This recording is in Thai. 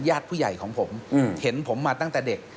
ญาติผู้ใหญ่ของผมเห็นผมมาตั้งแต่เด็ก